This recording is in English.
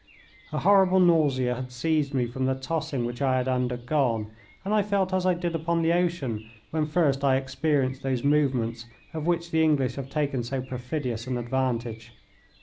A horrible nausea had seized me from the tossing which I had undergone, and I felt as I did upon the ocean when first I experienced those movements of which the English have taken so perfidious an advantage.